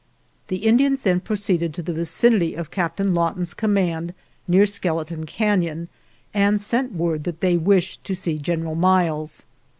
" The Indians then proceeded to the vi cinity of Captain Lawton's command, near Skeleton Canon, and sent word that they wished to see General Miles.